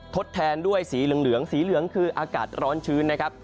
ทดแทนด้วยสีเหลืองสีเหลืองคืออากาศร้อนชื้นนะครับ